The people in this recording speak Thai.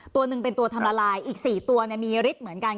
ตัวหนึ่งเป็นตัวทำละลายอีก๔ตัวมีฤทธิ์เหมือนกัน